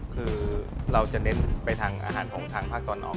คือเราจะเน้นไปทางอาหารของทางภาคตอนออก